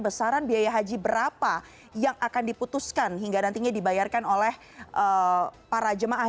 besaran biaya haji berapa yang akan diputuskan hingga nantinya dibayarkan oleh para jemaah